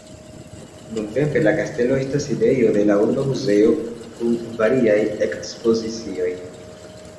Nuntempe la kastelo estas sidejo de la urba muzeo kun variaj ekspozicioj.